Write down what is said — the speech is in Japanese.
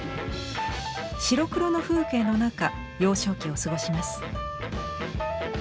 白黒の風景の中幼少期を過ごします。